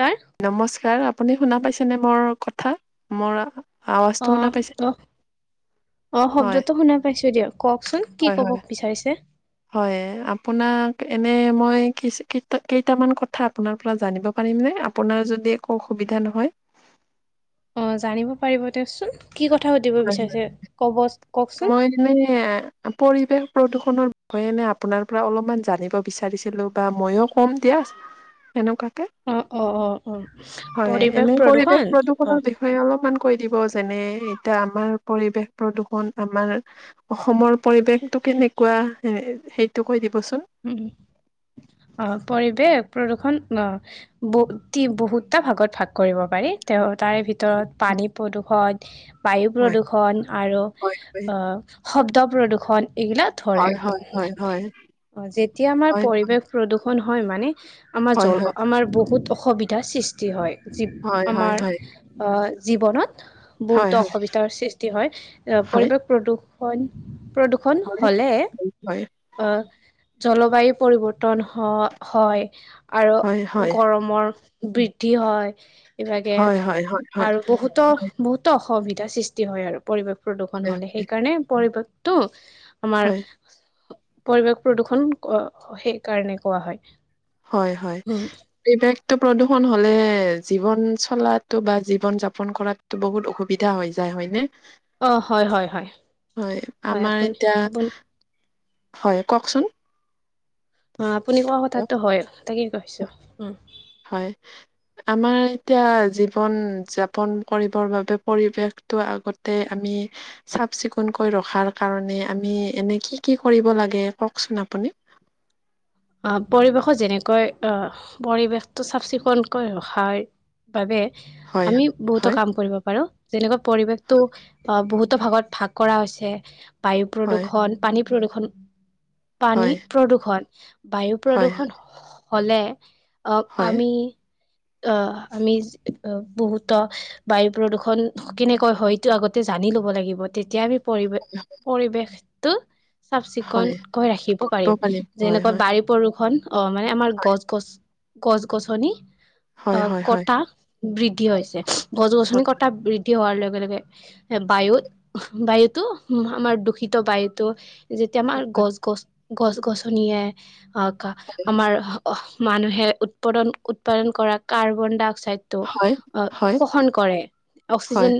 কাৰ নমস্কাৰ আপুনি শুনা পাইছেনে মোৰ কথা মোৰ। আৱাজটো অ', শুনা পাইছে? অ', অ হয়, শব্দটো শুনা পাইছো দিয় কওকচোন কি হয়, কব হয়, বিচাৰিছে। হয় আপোনাক এনে মই কেইটামান কথা আপোনাৰ পৰা জানিব পাৰিম। আপোনাৰ যদি একো অসুবিধা নহয়। অ জানিব পাৰিব দেচোন কি কথা সুধিব হয়, হয়, বিচাৰিছে কব। কওকচোন? মই মনে পৰিৱেশ। প্ৰদূৰষণৰ বিষয়ে নে আপোনাৰ পৰা অলপমান জানিব বিচাৰিছিলো বা ময়ো ক'ম দিয়া। এনেকুৱাকৈ, অ', অ', অ', অ', হয় পৰিৱেশ এনে পৰিৱেশ প্ৰদূষণ অ', প্ৰদূষণৰ বিষয়ে অলপমান। কৈ দিব যেনে এতিয়া আমাৰ পৰিৱেশ প্ৰদূষণ। আমাৰ অসমৰ পৰিৱেশতটো কেনেকুৱা সেইটো কৈ দিব উম অ পৰিৱেশ। প্ৰদূ্ষন বহু বহুতটা ভাগত ভাগ কৰিব পাৰি তেওঁ। তাৰে ভিতৰত পানী প্ৰদূষণ। বায়ু হয় প্ৰদূৰষণ আৰু হয় হয় শব্দ প্ৰদূৰষণ। এইগিলা ধৰে। হয় হয় হয় অ যেতিয়া আমাৰ হয় পৰিৱেশ প্ৰদূষন হয় মানে, আমাৰ হয় জল হয় আমাৰ বহুত অসুবিধা। সৃষ্টি হয় হয় হয় আমাৰ জীৱনত। হয় বহুতো অসুবিধাৰ সৃষ্টি হয় এ হয় পৰিৱেশ প্ৰদূৰষণ। প্ৰদূৰ্ষণ হয় হয় হলে আহ। জলবায়ু পৰিৱৰ্তন হয়। আৰু হয় হয় হয় গৰমৰ বৃদ্ধি হয় এইভাগে হয় হয় হয় হয় হয় হয় আৰু বহুতো বহুতো অসুবিধ এতিয়া সৃষ্টি হয় আৰু পৰিৱেশ প্ৰদূষণ হলে সেইকাৰণে পৰিৱেশতটো। হয় আমাৰ হয় পৰিৱেশ প্ৰদূৰষণ সেইকাৰণে কোৱা হয়। হয় হয়। উম, প্ৰদূষণ হলে জীৱন চলাতো বা জীৱন যাপন কৰাতো বহুত অসুবিধা হৈ যায় হয় ন অ' হয়, হয়, হয়, হয় আমাৰ আপুনি এতিয়া। আপুনি হয় কওকচোন। অ আপুনি কোৱা দিয়ক। কথাাতটো হয় তাকে কৈছো উ। হয়, আমাৰ এতিয়া জীৱন যাপন কৰিবৰ বাবে পৰিৱেশ। আগতে আমি চাফ চিকুণকৈ ৰখাৰ কাৰণে আমি এনে কি কি কৰিব ল। লাগে কওকচোন আপুনি। [unintelligible] আহ পৰিৱেশত যেনেকৈ আহ পৰিৱেশটো চাফ চিকুণকৈ ৰখাৰ। বাবে হয়, আমি বহুতো হয়, কাম কৰিব পাৰো। যেনেকুৱা পৰিৱেশতটো বহুতো ভাগত ভাগ কৰা হৈছে বায়ু হয়, প্ৰদূৰষণ পানী। প্ৰদূৰ্ষণ পানী, হয়, প্ৰদূৰ্ষণ বায়ু, হয়, প্ৰদূৰ্ষণ হলে আহ হয়, আমি। অ আমি বহুত বায়ু প্ৰদূৰ্ষণ কেনেকৈ হয়তটো আগতে জানি। লব লাগিব তেতিয়া আমি পৰি পৰিৱেশটো। চাফ হয়। চিকুণকৈ ৰাখিব কৰিব পাৰিম হয়, যেনে হয়, বৰষুণ অ মানে আমাৰ গছ গছ গছ গছনি। অ হয়, হয়, হয়, কটা বৃদ্ধি হৈছে, গছ গছনি হয়, কটা বৃদ্ধি। হোৱাৰ লগে লগে এ বায়ুত বায়ুতো আমাৰ দূষিত বায়ুটো। যেতিয়া আমাৰ গছ গছ গছ গছনিয়ে অ আমাৰ মানুহে উৎপাদন উৎপাদন কৰা কাৰ্বন ডাই অক্সাইড টো হয়, হয়, শোষণ কৰে হয়, অক্সিজেন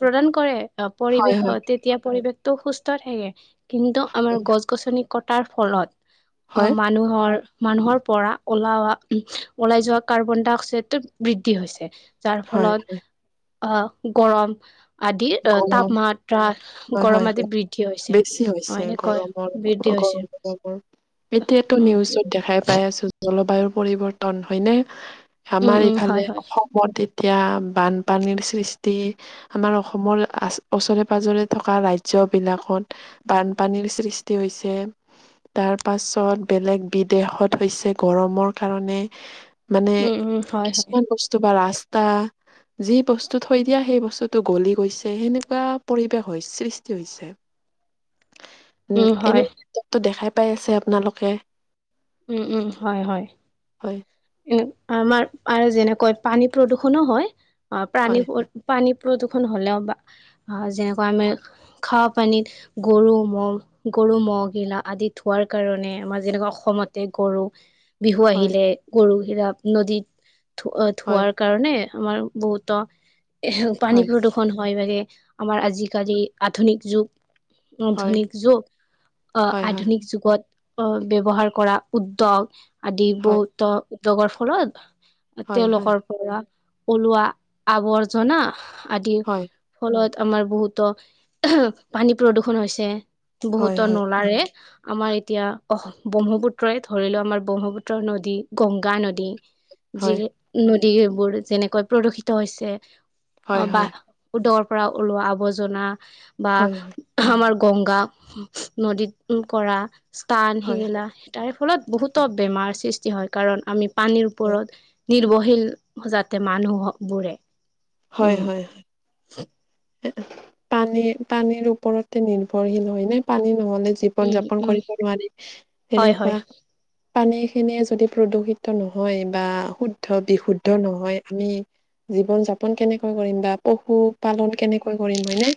প্ৰদান কৰে। অ, হয়, হয়, পৰিৱেশত তেতিয়া পৰিৱেশতটো সুস্থ থাকে কিন্তু আমাৰ গছ গছনি কটাৰ ফলত আহ হয়, মানুহৰ - মানুহৰ পৰা ওলা উ, ওলাই যোৱা কাৰ্বন ডাই অক্সাইডৰ বৃদ্ধি হৈছে। যাৰ হয়, ফলত হয়, আহ গৰম আদি অ, গৰম তাপমাত্ৰা হয়, হয়, গৰম আদি হয়, বৃদ্ধি হৈছে অ, এনে কয় বৃদ্ধি ক হৈছে এতিয়াতো উম নিউজত দেখাই পাই আছো জলবায়ুৰ পৰিৱৰ্তন হয়নে। উম আমাৰ উম ইফালে হয় হয় অসমত এতিয়া বানপানীৰ সৃষ্টি আমাৰ অসমৰ ওচৰে পাজৰে থকা ৰাজ্যবিলাকত বানপানীৰ সৃষ্টি হৈছে। তাৰ পাছত বেলেগ বিদেশত হৈছে গৰমৰ কাৰণে। মানে উম উম হয় হয় কিছুমান বস্তু বাৰ আছে। যি বস্তু থৈ দিয়া সেই বস্তুতটো গলি গৈছে সেনেকুৱা পৰিৱেশৰ সৃষ্টি হৈছে। উম, উম এনে হয় কিতাপটো দেখাই পাই আছে আপোনালোকে? উম - উম, হয় - হয়। হয় আমাৰ আৰু যেনেকৈ পানী প্ৰদূষণো হয় অ, প্ৰানী হয় পানী প্ৰদূষণ হ'লেও বা যেনেকোৱা আমি খোৱা পানীত গৰু ম গৰু ম'গিলা আদি থোৱাৰ কাৰণে আমাৰ যেনেকুৱা অসমতে গৰু বিহু হয় আহিলে গৰু বিলাক নদীত হয় ধোৱাৰ কাৰণে আমাৰ বহুতো পানী হয়, প্ৰদূৰষণ হয় বাবে আমাৰ আজিকালি আধুনিক যুগ হয়, আধুনিক যুগ আহ হয়, হয়, আধুনিক যুগত অ, ব্যৱহাৰ কৰা উদ্যোগ আদি হয়, বহুত উদ্যোগৰ ফলত হয়, হয়, তেওলোকৰ পৰা ওলোৱা আৱৰ্জনা আদিৰ হয়, ফলত আমাৰ বহুতো পানী প্ৰদূৰষন হৈছে। হয়, বহুতৰ হয়। নলাৰে আমাৰ এতিয়া অ, ব্ৰহ্মপুত্ৰই ধৰি লও আমাৰ ব্ৰহ্মপুত্ৰৰ নদী গংগা নদী হয়, হয়, যি হয়, নদীবোৰ যেনেকৈ প্ৰদূষিত হৈছে। অ, হয়, বা হয়, দৰ পৰা ওলোৱা আৱৰ্জনা বা হয়, আমাৰ গংগা নদীত কৰা ঈশ্নান হয়, সেইগিলা তাৰে ফলত বহুতো বেমাৰ সৃষ্টি হয় কাৰণ আমি পানীৰ হয়, ওপৰত নিৰ্ভৰশীল যাতে মানুহ বোৰে হয় - হয়। পানী - পানীৰ ওপৰতে নিৰ্ভৰশীল হয় নে? পানী নহলে জীৱন উম যাপন উম কৰিব নোৱাৰি হয় তেনেকুৱা হয় পানী খিনিয়ে যদি প্ৰদূষিত নহয় বা শুদ্ধ বিশুদ্ধ নহয় আমি জীৱন যাপন কেনেকৈ কৰিম বা পশু পালন কেনেকৈ কৰিম হয়নে?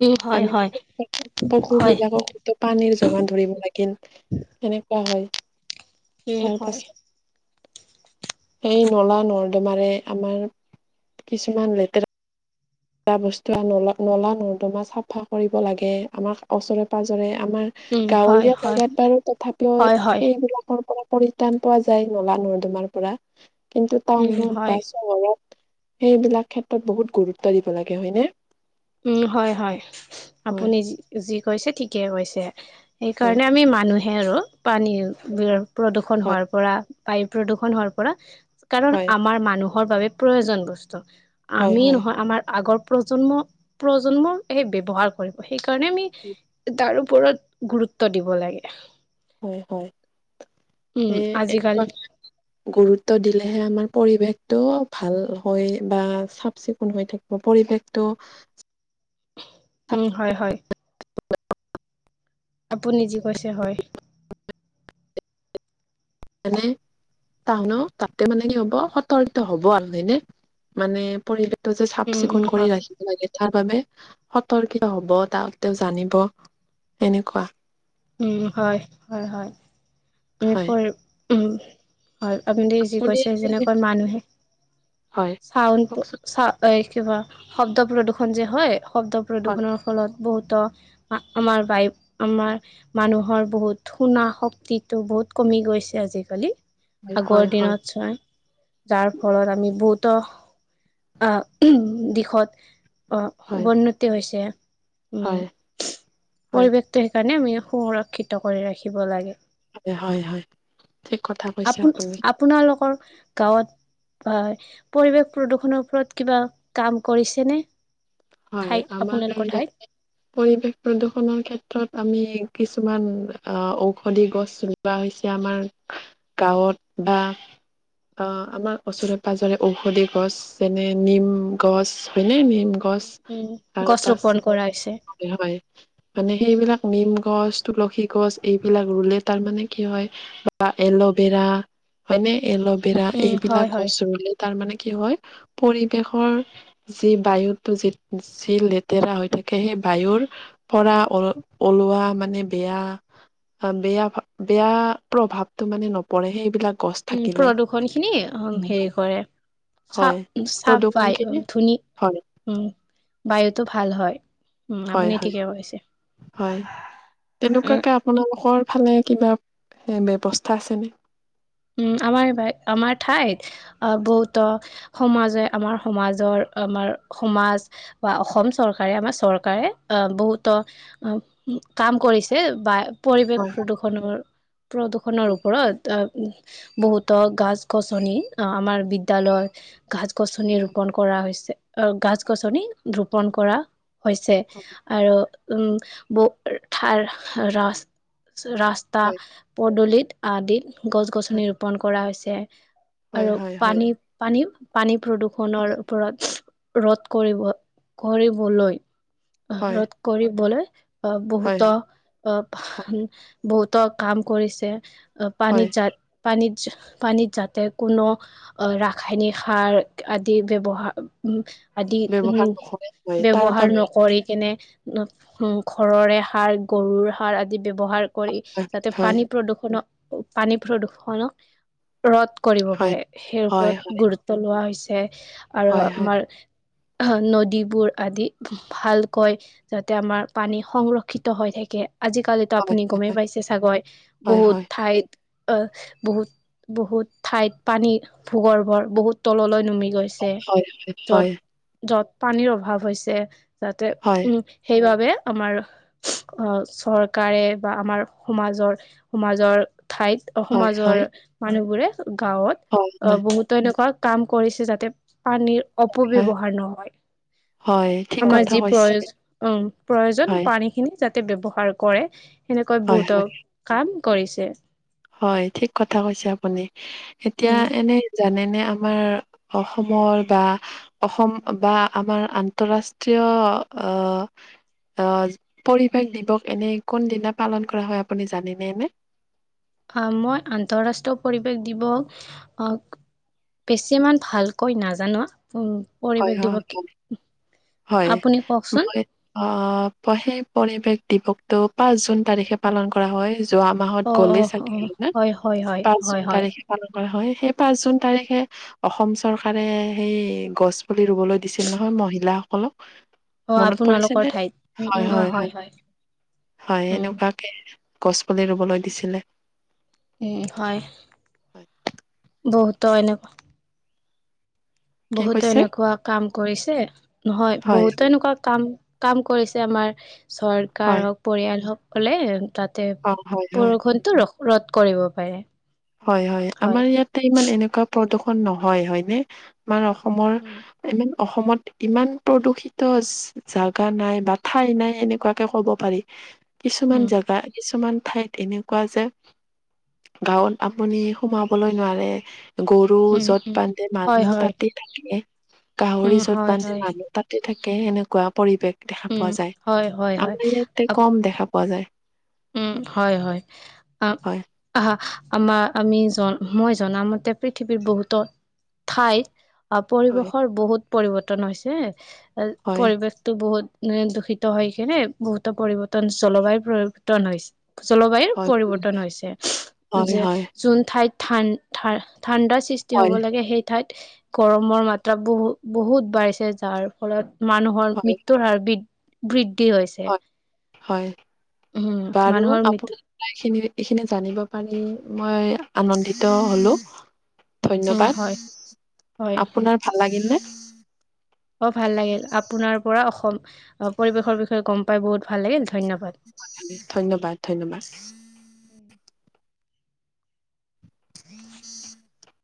উম হয় আমি হয় হয় পশুবিলাকক পানীৰ যোগান ধৰিব লাগিল। সেনেকোৱা হয়। উম, হয়। এই নলা নৰ্দমাৰে আমাৰ কিছুমান লেতেৰা বা বস্তু আ নলা - নলা নৰ্দমা চাফা কৰিব লাগে আমাক ওচৰে পাজৰে আমাৰ উম হয় গাৱলীয়া হয় জেগাত বাৰু তথাপিও হয় হয় সেইবিলাকৰ পৰা পৰিত্ৰাণ পোৱা যায় নলা নৰ্দমাৰ পৰা কিন্তু উম টাউনত হয় বা চহৰত সেইবিলাক ক্ষেত্ৰত বহুত গুৰুত্ব দিব লাগে হয়নে? উম, হয় - হয় হয় আপুনি যি কৈছে ঠিকে কৈছে। হয় সেইকাৰণে আমি মানুহে আৰু পানীৰ বি প্ৰদূ্ষন হয় হোৱাৰ পৰা বায়ু প্ৰদূষণ হোৱাৰ পৰা কাৰণ হয় আমাৰ মানুহৰ বাবে প্ৰয়োজন ব স্তু, হয় আমি হয় নহয় আমাৰ আগৰ প্ৰজন্ম প্ৰজন্ম এই ব্যৱহাৰ কৰিব। সেইকাৰণে আমি তাৰ ওপৰত গুৰুত্ব দিব লাগে। হয় হয় উম সে এক আজিকালি গুৰুত্ব দি লেহে আমাৰ পৰিৱেশটো ভাল হৈ বা চাফ চিকুণ হৈ থাকিব। পৰিৱেশটো উম হয় হয়। [unintelligible] আপুনি যি কৈছে হয়। এনেই। টাউন তাতে মানে কি হব, সতৰ্ক হব আৰু হয় নে মানে পৰিবেশ টো যে চাফ উম উম চিকুণ কৰি হয় ৰাখিব লাগে তাৰ বাবে সতৰ্কীয় হ'ব তাহতিও জানিব এনেকুৱা। উম হয় হয় হয়। হয় উম হয় আপুনি যি কৈছে যেনেকৈ মানুহে হয় চাউনটো কওকচোন এই কিবা শব্দ প্ৰদূৰষণ যে, হয় শব্দ হয় প্ৰদূৰষণৰ ফলত বহুত ত 'আমাৰ বাই আমাৰ মানুহৰ বহুত শুনা শক্তিটো বহুত কমি গৈছে আজিকালি। হয় আগৰ হয় দিনত ছয় যাৰ ফলত আমি বহুতো আহ দিশত হয় অ'বন্নতি হৈছে। উম' হয় হয় পৰিৱেশটো সেইকাৰণে আমি সংৰক্ষিত কৰি ৰাখিব লাগে। হয় হয় হয় ঠিক কথা কৈছে আপোন আপুনি আপোনালোকৰ গাঁৱত হয়। পৰিৱেশ প্ৰদূৰ্ষনৰৰ ওপৰত কিবা কাম কৰিছে নে? হয়, আমাৰ ইয় পৰিৱেশ প্ৰদূষণৰ ক্ষেত্ৰত আমি কিছুমান অ' ঔষধি গছ চলোৱা হৈছে আমাৰ গাঁৱত বা [inaudible] অ' আমাৰ ওচৰে-পজৰে ঔষধি গছ যেনে নিম গছ হয়নে, নিম গছ উম, তাৰ গছ পাছ ৰোপন কৰা হৈছে। হয় মানে সেইবিলাক এই নিম গছ, তুলসী গছ এইবিলাক ৰুলে তাৰমানে কি হয় বা এল'ভেৰা হয়নে এল'ভেৰা উম, এইবিলাক হয়, হয়। গছ ৰুলে তাৰ মানে কি হয় পৰিৱেশৰ যি বায়ুতটো যি যি, লেতেৰা হৈ থাকে সেই বায়ুৰ পৰা ও ওলোৱা মানে বেয়া অ'বেয়া, বেয়া প্ৰভাৱতটো মানে নপৰে। সেইবিলাক গছ উম থাকিলে প্ৰদূৰ্ষন খিনি হেৰি কৰে। হয় চফ-চফ প্ৰদূষণ বাই খিনি ধুনী হয়, উম বায়ুতো ভাল হয়। উম, হয়, আপুনি হয়, ঠিকে কৈছে। হয় উম, তেনেকুৱাকে আপোনালোকৰ ফালে কিবা হে ব্যৱস্থা আছেনে? উম, আমাৰ আমাৰ ঠাইত বহুত সমাজে আমাৰ সমাজৰ আমাৰ সমাজ বা অসম চৰকাৰে আমাৰ চৰকাৰে, আহ বহুতো কাম কৰিছে বা পৰিৱেশ হয়, প্ৰদূৰষণৰ প্ৰদূৰষণৰ ওপৰত। বহুতো গছ-গছনি, আমাৰ বিদ্য়ালয় গছ-গছনি ৰোপন কৰা হৈছে। গছ-গছনি ৰোপন কৰা হৈছে আৰু উম বাৰ ৰা ৰাস্তা হয়, হয়, পদূলিত আদিত হয়, গছ-গছনি ৰুপন কৰা হৈছে। হয়, আৰু হয়, হয়, পানী, পানী, পানী প্ৰদূৰষণৰ ওপৰত ৰ'দ কৰিব, কৰিবলৈ আহ হয়, ৰ'দ কৰিবলৈ আহ' হয়, বহুতো অ' হয়, বহুতো কাম কৰিছে। হয়, পানীজাত পানীত যাতে কোনো ৰাসায়নিক সাৰ আদি ব্যৱহাৰ আদি ব্যৱহাৰ নকৰে হয়, তাৰ উম'ব্যৱহাৰ বাবে নকৰি কেনে উম 'ঘৰৰে সাৰ গৰুৰ সাৰ আদি ব্যৱহাৰ কৰি হয়, যাতে হয়, পানী প্ৰদূৰ্ষণক পানী প্ৰদূৰ্ষনক ৰোধ কৰিব হয়, পাৰে। সেই হয়, ওপৰত হয়, গুৰুত্ব লোৱা হৈছে, আৰু হয়, হয়। আমাৰ নদীবোৰ আদি ভালকৈ যাতে আমাৰ পানী সংৰক্ষিত হৈ থাকে। [unintelligible] আজিকালিতো হয়, আপুনি হয়, গমেই পাইছে চাগৈ হয়, বহুত হয়, ঠাইত বহুত বহুত ঠাইত পানীৰ ভূগৰ্ভৰ বহুত তললৈ নামি [unintelligible] গৈছে। হয়, যত, হয়, য'ত পানীৰ অভাৱ হৈছে। যাতে হয়, উম' সেইবাবে আমাৰ অ'চৰকাৰে বা আমাৰ সমাজৰ সমাজৰ ঠাইত হয়, হয়, হয়, সমাজৰ মানুহবোৰে গাঁৱত অ' বহুতো এনেকুৱা কাম কৰিছে, যাতে পানীৰ হয়, অপব্যৱহাৰৰ নহয়। হয়, ঠিক আমাৰ কথা যি কৈছে, প্ৰয় অ প্ৰয়োজন হয়, পানী খিনি [unintelligible] যাতে ব্যৱহাৰ কৰে সেনেকৈ হয়, বহুতো হয়, কাম কৰিছে। হয়। ঠিক কথা কৈছে আপুনি, এতিয়া উম এনে জানেনে? আমাৰ অসমৰ বা অসম বা আমাৰ আন্তঃৰাষ্ট্ৰীয় অ আহ পৰিৱেশ দিৱস এনে কোন দিনা পালন কৰা হয় আপুনি জানেনে নে মই আন্তঃৰাষ্ট্ৰীয় পৰিৱেশ দিৱস আহ বেছিমান ভালকৈ নাজানো উম হয় পৰিৱেশ হয় দিব হয় [unintelligible] হয় মই অ সেই পৰিৱেশ দি [unintelligible] টো পাঁচ জুন তাৰিখে পালন কৰা হয় যোৱা মাহত অ অ গ'লেই অ চাগে হা হয় হয় হয় পাঁচ হয় জুন হয় তাৰিখে পালন [unintelligible] হয় সেই পাঁচ জুন তাৰিখে অসম চৰকাৰে সেই গছ পুলি ৰুবলৈ দিছিল নহয় মহিলাসকলক অ মনত পৰিছে আপোনালোকৰ নে ঠাইত উম হয় উম অ হয় হয় উম এনেকুৱাকে গছ পুলি ৰুবলৈ দিছিলে উম হয় হয়। বহুতো এনেকুৱা কি বহুতো কৈছে? এনেকুৱা কাম কৰিছে নহয় হয় বহুতো এনেকুৱা কাম কাম কৰিছে আমাৰ চৰকাৰ হয় হওক পৰিয়াল হকলে তাতে অ হয় হয় বৰষুণটো ৰ ৰদ কৰিব পাৰে [unintelligible] হয় হয় আমাৰ ইয়াতে ইমান এনেকুৱা প্ৰদূষন নহয় হয়নে আমাৰ অসমৰ উম ইমান অসমত ইমান প্ৰদূষিত জাগা নাই বা ঠাই নাই এনেকুৱাকে ক'ব পাৰি [unintelligible] কিছুমান উম জেগা কিছুমান ঠাইত এনেকুৱা যে গাঁৱত আপুনি সোমাবলৈ নোৱাৰে গৰু উম যত উম বান্ধে হয় মানুহ হয় তাতে থাকে গাহৰি উম য'ত হয় বান্ধে হয় মানুহ তাতে থাকে এনেকুৱা পৰিৱেশ দেখা উম পোৱা যায় হয় হয় হয় আমাৰ ইয়াতে কম দেখা পোৱা যায় উম হয় হয় হয় আহা [unintelligible] আমাৰ আমি জন মই জনামতে পৃথিৱীৰ বহুত ঠাই অ হয় পৰিৱেশৰ বহুত পৰিৱৰ্তন হৈছে হয় পৰিৱেশটো বহুত [unintelligible] দূষিত হৈ কিনে বহুতো পৰিৱৰ্তন জলবায়ু পৰিৱৰ্তন হৈছে জলবায়ুৰ হয় পৰিৱৰ্তন হৈছে হয় যে হয় যোন ঠাইত থান ঠাণ্ডাৰ সৃষ্টি হ'ব হয় লাগে সেই ঠাইত গৰমৰ মাত্ৰা বহু বহুত বাঢ়িছে যাৰ ফলত মানুহৰ হয় মৃত্যুৰ হাৰ বি বৃদ্ধি হৈছে হয় হয়। উম বাৰু মানুহৰ মৃত্যু আপোনাৰ এইখিনি এইখিনি জানিব পাৰি মই আনন্দিত হলো উম ধন্যবাদ হয় হয় আপোনাৰ ভাল লাগিল নে [unintelligible] অ ভাল লাগিল আপোনাৰ পৰা অসম পৰিবেশৰ বিষয়ে গম পাই বহুত ভাল লাগিল ধন্যবাদ ধন্যবাদ ধন্যবাদ [unintelligible] [inaudible]